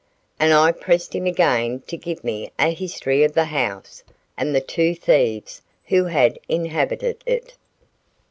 And I pressed him again to give me a history of the house and the two thieves who had inhabited it.